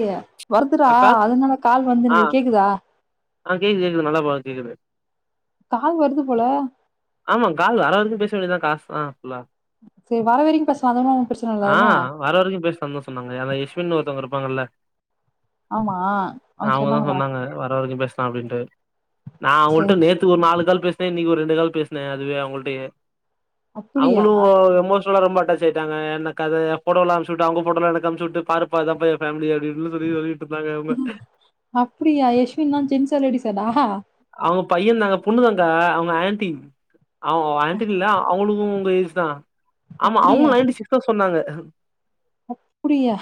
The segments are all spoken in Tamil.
கியா வருதுடா அக்கா அதனால கால் வர்றது ஆ எனக்கு கேக்குதா ஆ கேக்குது கேக்குது நல்லா பா கேக்குது கால் வருது போல ஆமா கால் அரவுரா பேச வேண்டியதா காஸ் ஆ புலா சரி வர வரைக்கு பேசலா அது ஒன்னு பிரச்சன இல்ல ஆ தான வர வரைக்கு பேச தா சொன்னாங்க எ ஸ்வின் ஒருத்தவங்க இருப் போதுல்ல ஆமா அவுங்க சொன்னாங்களா எல்லோருக்கு பேசலான் அப்டின்ட்டு நா சரி அவுங்கள்ட்ட நேத்து ஒரு நாலு கால் பேசுனே இன்னைக்கு ஒரு ரெண்டு கால் பேசுனே அதுவே அவுங்கள்டே அப்டியா அவுங்களு எமோஷனலா ரொம்ப டச் அனுப்பீட்டாங்க எனக்கு அது போட்டோ எல்லா இது எனக்கு அம்சுவிட்டாங்க அவுங்க போட்ட எனக்கு அம்சு விட்டு பாருப்பா இதா ஃபேமிலி எங்களுக்கு தெரியாது அப்டியா யெஸ்வின் தா ஜென்சா லேடிஸ்ஸா டா அவுங்க பைய தாங்க பொண்ணுதாங்கா அவுங்க ஆண்டி அவோ ஆண்டனி ல்ல அவளு உங் வயசு தா ஆமா அவுங்க நைன்டி சிக்ஸ்தா சொன்னாங்க அ ஹும் அப்பிடியா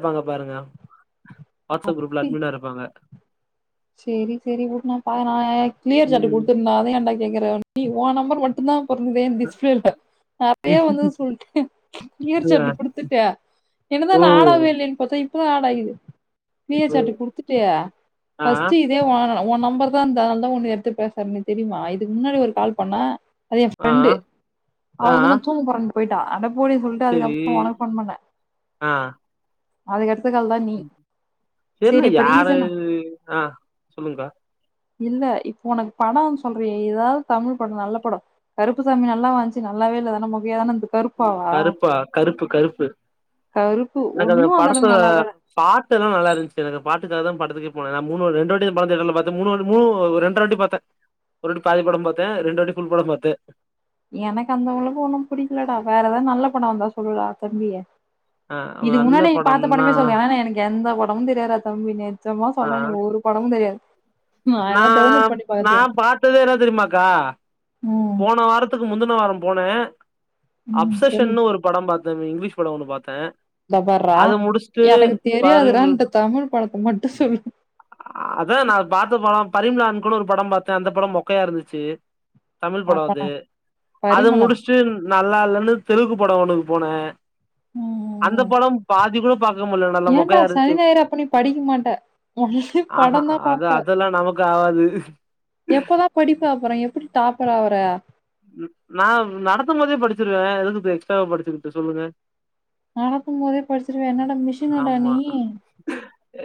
ப்பாங்க பாருங்க வாட்ஸ்அப் குரூப்ல அட்மினா இருப்பாங்க செரி செரி உடு நா பாக்கறே கிளியர் சாட்டு ம் குடுத்துருந்தே அத ஏன்டா கேக்குறே நீ ஒ நம்பர் மட்டுந்தா அப்ப இருந்தே [unintelligible] அப்பயே வந்து சொல்ட்டே கிளியர் அ. சாட்டு குடுத்துட்டே என்னது ஓ இன்னு ஆட் ஆகவே இல்லையேனு பாத்தா இப்பதா ஆட் ஆயிக்குது கிளியர் ஓ சாட்டு குடுத்துட்டு ஆ ஃபஸ்ட்டு இதே ஒன்னதுதா உன் நம்பர்தா இருந்துது அதனாலதா உன்ன எடுத்து பேசறன்னு தெரியுமா இதுக்கு முன்னாடி ஒரு கால் பண்ணே அது என் ஆ ஃப்ரெண்டு அவ ஆ வந்து நா தூங்க போறன்ட்டு போயிட்டா அதா போடின்னு சொல்ட்டு செரி அதுக்கப்புறோ ஒனக்கு ஃபோன் பண்ணே அதுக்கடுத் ம் தெர்ல யாரு ரீசன் ஆ சொல்லுங்க்கா இல்ல இப்ப ஒனக்கு படோன்னு சொல்றயே எதாவது தமிழ் படோ நல்ல படோ கருப்பு சாமி நல்லாவா இந்ச்சு நல்லாவே இல்ல அது என்ன மொக்கையாதான இர்ந் கருப்பா கருப்பு கருப்பு கருப்பு எனக்கு அந்த ஒன்னும் படத்துல அளவுக்கு நல்லா இல்லடா பாட்டு எல்லா நல்லா இருந்துச்சு எனக்கு பாட்டுக்காகதா படத்துக்கே போன நா மூணுவாட் ரெண்டுவாட்டிதா படத்த எடைல பாத்தே மூணுவாட்டி மூணு அது ஒரு ரெண்டரவாட்டி பாத்தே ஒருவாட்டி பாதி படோ பாத்தே ரெண்டுவாட்டி ஃபுல் படோ பாத்தே எனக்கு அந்த அளவுக்கு ஒண்ணும் புடிக்கலடா வேற எதாவது நல்ல படோ இருந்தா சொல்லுடா தம்பி ஆ இதுக்கு நல்ல முன்ன நீ பாத்த படம்னா படமே சொல்லு ஆனா எனக்கு எந்த படமு தெரியாதுடா தம்பி நெஜமா ஆ சொல்றே எனக்கு ஒரு படமு தெரியாது நா அதா டவுன்லோட் பண்ணி நா பாத்தே பாத்தது என்ன தெரியுமாக்கா ம் போன வாரத்துக்கு முந்துன ட்ட வாரோ போனே ம் சொல்லு அப்சஷஷன்னு ஒரு படம் பாத் தன்னு இங்கிலீஷ் படோ ஒன்னு பாத்தே இதபார்ரா அத முடிச்சுட்டு எனக்கு பரிம்ள் தெரியாதுதான்ட்டு தமிழ் படத்த மட்டு சொல்லு ஆ பரிம்லா அன் கோனு ஒரு படோ பாத்தே அந்த படோ மொக்கையா இருந்துச்சி தமிழ் படம் அது அப்பனா அத பரிமளம் முடிச்சிட்டு நல்லா இல்லன்னு தெலுக்கு படோ ஒண்ணுக்கு போனே அந்த ம் படம் பாதி கூட பாக்க முடில நல்லா ஏடா மொக்கையா சனி இருந்துச்சு ஞாயிரு அப்ப நீ படிக்க மாட்ட உடனே ஆஹா படோ தா அது பாப்ப அதெல்லா நமக்கு ஆவாது எப்பதா படிப்ப அப்புறோ எப்பிடி டாப்பறா ஆவ பிரயா நா நடத்துபோதே படிச்சிருவே எதுக்கு எக்ஸ்ட்ராவ படிச்சிகிட்டு சொல்லுங்க நாடத்தும் போதே படிச்சிருவ என்ன ஆமா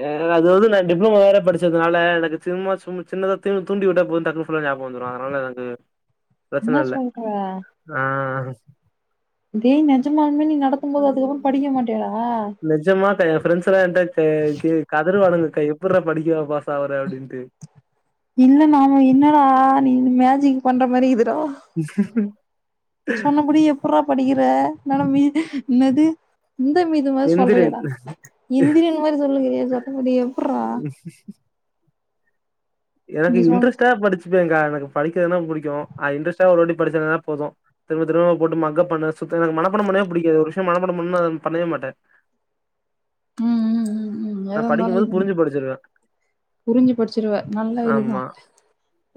ஆ அது வந்து நா டிப்ளோமா வேற படிச்சதுனால எனக்கு சும்மா சும் சின்னதா தூ தூண்டிவிட்டா போது டக்கு ஃபுல்லா ஞாபகோ வந்துரு அதனால எனக்கு என்ன பிரச்சன இல்ல சொல்ற ஆ டேய் நெஜமாலுமே நீ நடத்தும் போது அதுக்கப்பறோ ம் படிக்க மாட்டியாடா [unintelligible] க கே கதருவானுங்கக்கா எப்பறா படிக்குவ பாஸ் ஆவற அப்பிடின்னுட்டு இல்ல நாம என்னடா நீ மேஜிக் பண்ற மாரி இக்குது டா [unintelligible] சொன்னபடி எப்புறா படிக்கிற என்னட மீ என்னது இந்த மீது மாரி எந்திரு சொல்றேயேடா எந்திரியன் மாரி சொல்லுனுகிறியே சொன்னபடி எப்புறா எனக்கு சொல் இன்ட்ரெஸ்ட்டா படிச்சுப்பேங்கா எனக் படிக்கனா புடிக்கு இன்டெர்ஸ்ட் ஒருவாட்டி படிச்சனல போது திரும்ப திரும்ப போட்டு மக்காப்பு பண்ண சுத்த எனக்கு மனப்பாடம் பண்ணவே புடிக்காது ஒரு து மனபாடோ பண்ணா பண்ணவேமாட்டே ம் ம் ம் ம் நா படிக்கு போது புரிஞ்சி படிச்சிருவே புரிஞ்சி படிச்சிருவ நல்ல இதுதா ஆமா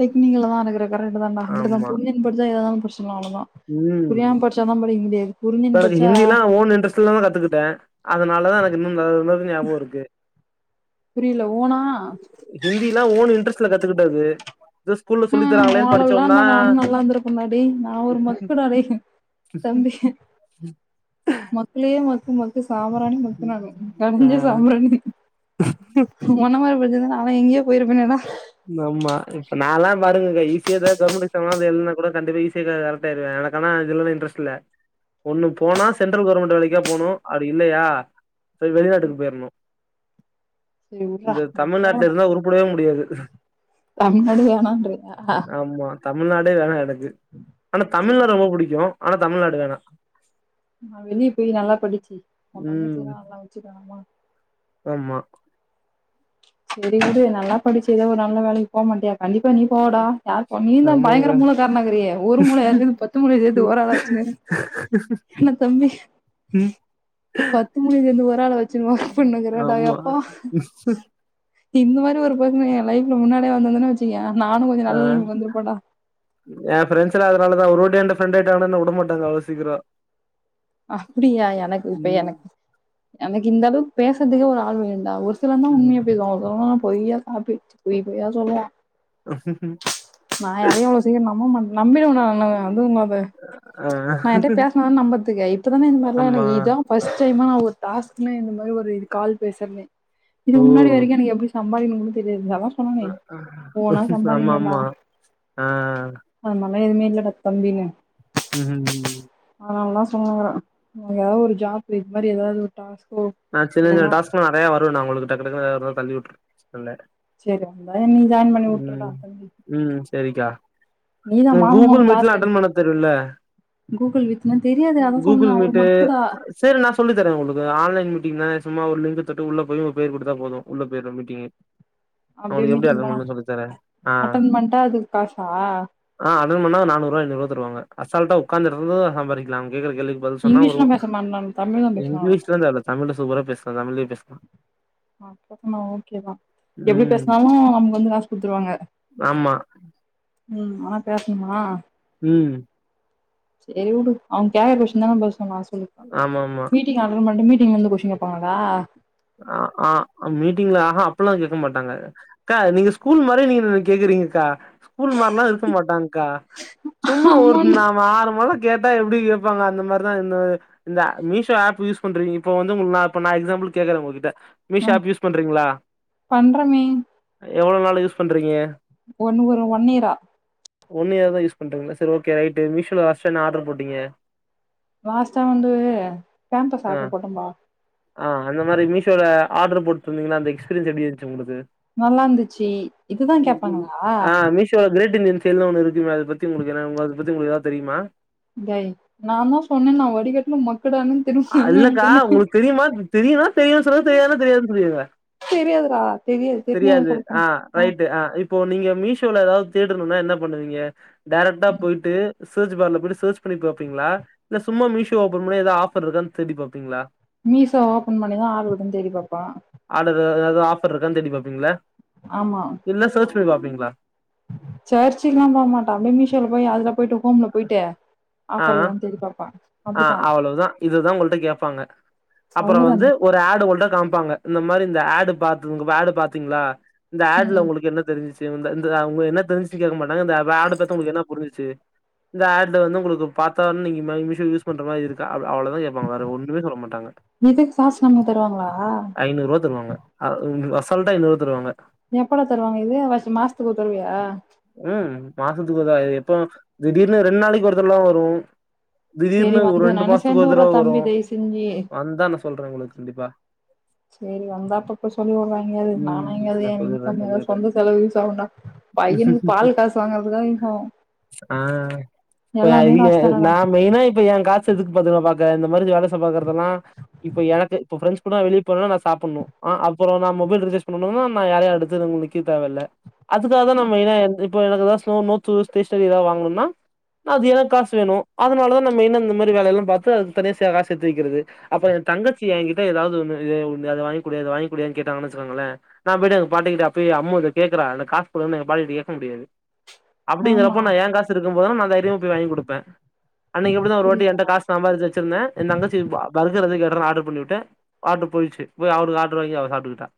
டெக்னிகலதா இருக்குற கரைட்டுதாடா அப்புடிதா ஆமா புரிஞ்சுனு படிச்சா எதானாலு படிச் இல்ல அவ்ளோதா ம் புரியாம படிச்சாதா படிக்க முடியாது புரிஞ்சுனு எனக்கு படிச்சா ஹிந்தி ல ஓன் இன்ட்ரெட்ல்லாதா கத்துக்கிட்டே அதனாலதா எனக்கு இன்னு இந்த [unintelligible] ஞாபகோ இருக்கு புரியல ஓனா த்துல கத்துக்கிட்டது இது ஸ்கூல்ல சொல்லி ம் ஒ தராங்களேன்னு அவளவுக்ல்லா படிச்சோம்னா இருந்தா நானு நல்லாந்திருப்பேன்டா‌ டேய் நா ஒரு மக்குடா டேய் தம்பி மக்குளே மக்கு மக்கு ஸ் சாம்பராணி மக்கு நானு ஆ கஞ்ச சாம்புராணி ஒன்ன மாரி படிச்சிருந்தா நாலா எங்கயோ போயிருப்பேன்டா நம்ம நால்லா பாருங்ககா ஈசியாதா கவர்மெண்ட் எக்ஸாம் அது எழுனா கூட கண்டிப்பா ஈஸியாக்க கரெக்ட் ஆயிருவே எனக் ஆனா இதுல்லா இன்டரெஸ்ட் இல்ல ஒண்ணு போனா சென்ட்ரல் கவர்மெண்ட் வேலைக்கா போணு அப்பிடி இல்லையா வெளிநாட்டுக்கு போயிருணு சரி உட்றா இந்த நீ தமிழ்நாட்டுல போடா இருந்தா உறுப்படவே முடியாது தமிழ்நாடு வேணான்ரியா ஆமா தமிழ்நாடே வேணா எனக் ஆனா சரி தமிழ்னா ரொம்ப புடிக்கு ஆனா தமிழ்நாடு வேணா நா வெளியே போய் நல்லா படிச்சி ஓ ம் தங்கச்சியெல்லா வச்சிக்கணுமா ஆமா சேரி விடு நல்லா படிச்சி ஏதோ ஒரு நல்ல வேலைக்கு போ மாட்டியா கண்டிப்பா நீ போவடா யார் போ நீயுதா ஆமாங்க பயங்கர மூள காரணாகிறியே ஒரு மூளை இருக்குது பத்து மூளை சேர்ந்து ஒரு ஆளா வச்சுனு என்ன தம்பி ம் பத்து மூளைைய சேந்து ஒரு ஆளா வச்சுன்னு ஒர்க் ஆமா பண்ணுங்கிறடாப்பா [inaudible] நீ இந்தமாரி ஒரு ஃபேர்சொன் ஏ லைப்ல முன்னாடியே வ ன்துந்தனா வெச்சிகியா ஆ ஏ ஃப்ரெஷ்சலா ல்லாலதா ஒரு வாட்டி என்ட ஃப்ரண்ட் எவனாந்தாவுடமாட்டாங்க அளோ சீக்கிரோ அப்புடியா எனக்கு இப்ப எனக்கு எனக்கு இந்தளவுக் பேசறதுக்கு ஒரு ஆள் வேண்டா ஒர் இவந்தா ம் உண்மையா [unintelligible] பொய்யா காஃப்ஃபி பொய் பொய்யா சொல்லுவா ம் நா யாரையு இவ்ளோ சீக்ரோ நம்ப மாட்டே நம்பிடுவே நானு அதுவு நா அத ஆ நா யார்ட்டையு பேசினா தானே இகயு இப்போதானே இந்த மாரியெல்லா எனக்கு ஆமா இதா ஃபஸ்டைம் ஆனா ஒரு டாஸ்க் ன்னு இந்த மாதிரி ஒரு இது கால் பேசுறே ஓ இதுக் முன்னாடி வரைக்கு எனக்கு எப்டி நம்பரு எனக்கு ஒன்னு தெரியாது அதான் சொன்னேன் ஓனா ஆமா சம்பாதிக்கணும்டா ஆமா ஆ அது எதுவுமே இல்லைட தம்பின்னு உஹு நாங்களாஸ் ஆ ஏதாவது ஒரு ஜாப் இது மாதிரி ஏதாவது ஒரு டாஸ்க் ஆ சின்ன சின்ன டாஸ்கலா நரயா வரு நா உங்களுக் டக்கு டக்குனு [unintelligible] தள்ளாவுட்ர சரி வந்தா என்னயு ஜாயின் பண்ணி உட்ருடா தம்பி நீ தான் மாசம் கூகுல் மாசம் டாஸ்க் மீட்லா எடுத்து அட்டன் பண்ண தெரியுல கூகுள் மீட்னா தெரியாது அதா சொன்னே கூகுள் ஒரு மீட்டு மக்குடா சரி நா சொல்லி தரே உங்களுக்கு ஆன்லைன் மீடு எ சும்மா ஒரு லிங்க் தொட்டு உள்ள போயி பேர் கொடுத்தா போது உள்ள பேய்ரு மீட்டிங்கு அப்டியே அவங்களுகு எப்டி மீட்டிங் அட்டன் போனா பண்ணு சொல்லி தர ஆஆ அட்டன் பண்ட்டா அது காசா அட்டன் பன்ணா நானூறு ரூபா ஐநூறு ரூவா தருவாங்க அசால்டா உக்காந்தி யிருந்து சம்பாரிக்கலா கேக்குற கேள்விக்கு பதில் சொன்னா இங்கிலீஷ் ஒரு லாம் பேச மாட்டீநானு தமிழ் தா பேசுவாங்கலா சுப்பரா பேசலா தமிழ்லே பேசலா [unintelligible] ஓக்கோதா எப்படி ம் பேசினாலு அவங்க வந்து காசு குத்துருவாங்க ஆமா உ ஆனா பேசணுமா உ செரி உடு அவங்க கேக்கற கொஷ்இன் தான பஸ் சொன்னா [unintelligible] ஆமா ஆமா மீடிங்அட்டன் பணிட்டு மீட் ந்து கொஷிங்கேபாங்களா ஆஆ மீட்டிங்ல ஆஹா அப்யில்லா கேக்க மாடாங்க அக்கா நீங்க ஸ்கூல் மாரி நீங்க கேக்குறிங்க்கா ஸ்கூல் மார்லா இருக்க மாடாங்க க்கா சும்மா ஒரு ஆமான்டா நா ஆறு மாத கேட்டா எப்படி கேபாங்க அந்த மாரிதா இந்த ஆ மீஷோ ஆப் யூஸ் பண்றிங்க இப்ப வந்து நா உங்களுக்கு எக்ஸாம்புல்க் கேக்குறே ஒங்ககிட்ட ம் பண்றமே எவ்ளோநாளு யூஸ் பண்றிங்க ஒன்னு ஒரு ஒன் இயரா ஒன் இயர் தா யூஸ் பண்றிங்க சரி ஓக்கே ரைட்டு மிஷோல வச்சு என்னா ஆடரு போட்டிங்க லாஸ்டா வந்து பேம்பஸ் ஆட்ரு போட்டப்பா இந்த மாரி மிஷோல ஆட்ரு போட்ருந்தீங்ள அந்த எக்ஸ்பீரியன்ஸ் எப்டி இருந்துச்சு உங்கலுக்கு நல்லா இருந்துச்சி இதுதா கேப்பாங்களா மிஷின் இன்சியல் ஒன்னு இருக்குமே அத பத்தி ஒங்களுக்கு அதபத்தி ஒங்களுக்கு ஏதாவது தெரியுமா டேய் நா தா சொன்னேன் நா வடிகட்ன மக்கடான்னு திரும்ப எனக்கு இல்லக்கா என்ன உங்களுக் தெரியுமா தெரியுனா தெரியு சொல்லுங்க தெரியாதுன்னா தெரியாதுன்னு சொல்லிருங்க தெரியாதுடா தெரிஞ்சா தெரியாது சொல்ல போறே ஆ ரைட்டு இப்போ இப்போ நீங்க மீசோல ஏதாவது தேடணுனா என்னா பண்ணுவீங்க டைரக்டா போயிட்டு சர்ச் பார்ல போயிட்டு சர்ச் பண்ணி பாப்பீங்ளா இல்ல சும்மா மீசோ ஓபன் பண்ணி ஏதோ ஆஃப் ஆபர் இருக்கானு தேடிப் பாப்பிங்ளா மீசோ ஓபன் பண்ணிதா ஆபர் இருக்கான்னு தேடி பாப்போ எதா ஆபர் இருகான்னு தேடிபாப்பிங்ளா ஆமா தேடி பாப்பிங்ளா சர்ச்சிங்லா போகமாட்டோ அப்டியே மீசோல போயி அதுல போய்ட்டு ஆ பாப்பா ஆ அப்டிதா அவ்வளவுதா இதுதா உங்கள்கிட்ட கேப்பாங்க அப்பற வந்து அவ்ளோதான ஒரு ஆடு உங்கள்கிட்ட காம்பாங்க கேப்பாங்க இந்த மாரி இந்த ஆடு பாத்து ஆடு பாத்தீங்ளா இந்த ஆட்ல ம் ஒங்களுக்கு என்ன தெரிஞ்ச்சி இந்த அவுங்க என்ன தெரிஞ்சுச்சு கேக்க மாட்டாங்க இந்த ஆட பாத்து ஒங்களுக்கு என்னா புரிஞ்சுச்சு இந்த ஆட்ல வந்து ஒங்களுக்கு பாத்த வ நீங்க மீஷோ யூஸ் பண்ற மாதிரி இருக்கா அ அவ்வளதா கேப்பாங்க வேற ஒன்னுமே சொல்ல மாட்டாங்க இதுக்கு காசு நமக்கு தருவாங்களா ஐநூறு ரூபா தருவாங்க சொல்ட்டா ஐனூறுரூபா தருவாங்க எப்படா தருவாங்க இது வருஷ மாசத்துக்கு ஒரு தடவயா ம் மாசத்துக்கு ஒரு தடவ எப்போ வேணா திடீர்னு ரெண்டு நாளைக்கு ஒருதடலா வரு சேரி திடீர்னு ஒரு வந்து ரெண்டு நானு மாசத்துக்கு சேந்து ஒரு வுட்றே தடவ வரு தம்பி தயவு செஞ்சு வந்தா நா சொல்றே ஒங்களுக்கு கண்டிப்பா சேரி வந்தா அப்பப்ப சொல்லி விடுறா எங்கேயாது நானா ம் நா எங்கேயாது சொல்லிறே கம்மாவ சொல்லிறே சொந்த செலவு யூஸ் நா பையனுக்கு பால் காசு வாங்குறத்துக்கா யூஸ் ஆகு ஆ இப்ப எல்லாமே காசு அ தானடா நா மெயினா இப்ப எ காசு எதுக்கு பாத்தன்ன இப்ப இந்த மாதிரி வேல சா பாக்கறதெல்லா இப்போ எனக்கு இப்ப ஃப்ரெண்டஸ் கூட வெளிய போனும்ன ந சாப்பணு ஆ அப்பறம் நா மொபைல் ரீசார்ஜ் பண்ணும்னா நா யார அது உங்களுக்கு தேவயில்லை அதுக்காக தா ந மெய்னா என்ரிப் இப்ப எனக்கு தா ஸ்நோ [unintelligible] சரி எதாது வாங்கணும்னா நா அது எனக்கு காசு வேணு அதனாலதா ந மெய்ன இந்த மாரி வேயெல்லா பாத்து அது தனியாக காசு சேத்துவக்கிறது அப்ற எ தங்கச்சி எ கிட்ட எதாது ஒன்னு அத வாங்கிக்குடியா இத வாங்கிக்குடியா கேட்டாங்கன்னு வச்சுக்கங்களே நா போய் எங்க பாட்டி கிட்ட அம்மும் இத கேக்குறா அந்த காசு போட பாட்டுட்ட கேக்க முடியாது அப்டினாப் ஆமா ப்ப ந ஏ காசு இருக்கு போது தைரியமா போய் வாங்கி குடுப்பே அன்னைக்கி அப்டி அப்படியா ஒருவாட்டி காசு சம்பாச்சி வச்சிருந்தே எ தங்கச்சி பர்கர் எதோ கேட் ட்ற ஆடுர் பண்ணிவிட்டே ஆடுர் போய்ச்சு போய் அவருக்கு ஆடர் வாங்கி அவ சாப்பிட்டுக்கிட்ட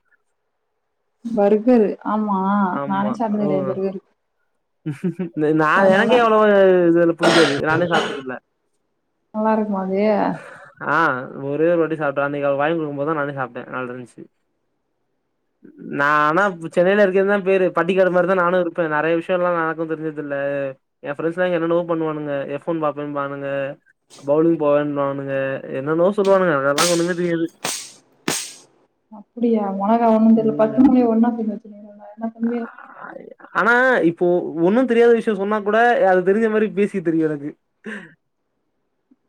பர்கரு ஆமா ஆமா நானே சாப்டது கெடையாது ம் பர்கரு [inaudible] நா அது நல்லா எனக்கே எவ்வளவு இதுல பிடிக்காது நானே சாப்டிதில்ல நல்லா இருக்குமா அது ஆ ஒரே ஒரு வாட்டி சாப்டே அந்த வாயு குடுக்கு போதா நானே சாப்ட்டே நல்லா இருந்துச்சு நா ஆனா சென்னையில இருக்கிறது தா பேரு பட்டிகாடுமாதிரி தா நானு இருப்பே நெறைய விஷய எல்லா நடக்கு தெரிஞ்ச இதுல்ல எ ப்ரெண்டஸ்ல என்னென்னமோ பண்ணுவானுங்க எஃபோன் பாப்பே பானுங்க பவுலிங் போவேன்னோ இவனுங்க என்னென்னோ சொல்லுவானுங்க அதெல்லா ஒன்னுமே தெரியாது அப்டியா உனகா ஒண்ணு தெரில பத்து ம் மணா ஒன்னா பின் வச்சு என்ன பண்ணுவே ஆனா இப்போ ஒன்னு தெரியாத விஷய சொன்னா கூட அது தெரிஞ்ச மாரி பேசி தெரியு எனக்கு ஹ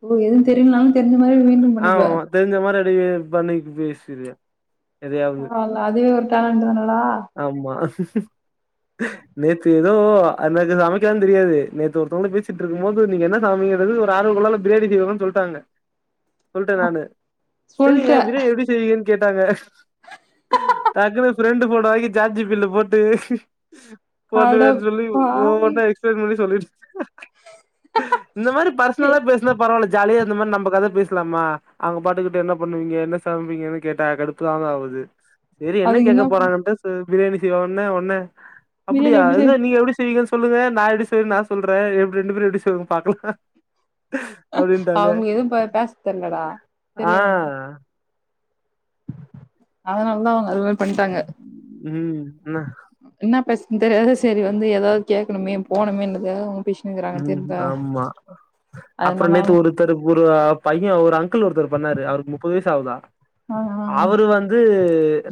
ஓ எதும் தெரியல்னாலு தெரிஞ்ச மாரி மெய்டன் பண்ணிப்பே அடி பண்ணிக்கு பேசிறியா ஆல அதுவே ஒரு டேலண்ட் தனடா ஆமா நேத்து எதோ அ எனக்கு சமைக்கல தெரியாது நேத்து ஒருத்தவங்கள பேசிட்டு இருக்கு போது நீங்க என்ன சமைங்கிறது ஒரு ஆறு குலருல பிரியாணி செய்னும்முன்னு சொல்ட்டாங்க சொல்ட்டே நானு சொல்ட்ட செரிங்க பிரியாணி எப்டி செய்வீங்க கேட்டாங்க டக்குனு ஃப்ரெண்டு போட்டே வாங்கி ஜார் ஜி பி டீல போட்டு அடப்பா மொத எக்ஸ்டென்வ இப்பவே சொல்லிருச் அ இந்த மாரி பர்சனலா பேசுனா பரவாயில்ல ஜாலியா அந்த மாரி நம்ம கத பேசலாமா அங்க பாட்டுக்கிட்டு என்ன பண்ணுவீங்க என்ன சமைப்பீங்கன்னு கேட்டா கடுப்புதாங்க ஆவுது சரி என்ன கேக்க போறாங்கன்ட்டு சு பிரியணி செய்யிவ உண்ணே ஒண்ணே பிரியாணி அப்டியா எப்டி செய் இ நீங்க எப்டி ங்க சொல்லுவே நா எப்டி செய்றே நா சொல்றே எ ரெண்டு பேரு எப்டி செய்ல பாக்கலா அப்டின்ட்டாங்க அவங்க எதுவு பேச தெரிலடா ஆ தெரிய வேண்ட அதுனாலதா அவங்க அது மாரி பண்ணிட்டாங்க ம் என்ன என்ன பேச இந்த ரயாவது சரி வந்து ஏதாவது கேக்கணுமே போனுமேன்ட்ரதுகாக உ ஆமா அப்புற அதனால நேத்து அவங்க ஒருத்தருக்கு ஒரு பய் கெவ்ரா ஒருத்தர் பண்ணாரு அவருக்கு முப்பது வயசு ஆகுதா ஆ ஆ அவரு வந்து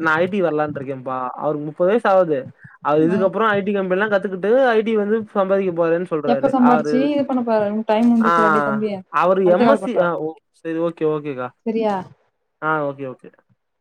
நா ஐ டி வரலா இருக்கேம்பா அவரு முப் ப்பது வயசாவுது அது ஆ இதுக்கப்புற ஐ டி கம்பெனிலா கத்துக்கி ஏ ஐ டி வந்து சம்பாதிக்க போது சொல்றாரு எப்ப அவரு சம்பாரிச்சு இது பண்ண போற டைம் ஆ முடிஞ்சுச்சுடாடி தம்பி அவரு அடுத்த எம் கால் எஸ்சி பண்றோ சரி ஓகே ஓகே கா சரியா ஓகே ஓகே ச